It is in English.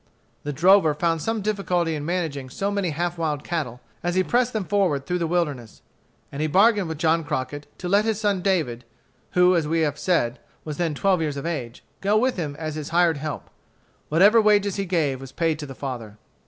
The drover found some difficulty in managing so many half wild cattle, as he pressed them forward through the wilderness, and he bargained with John Crockett to let his son David, who, as we have said, was then twelve years of age, go with him as his hired help. Whatever wages he gave was paid to the father.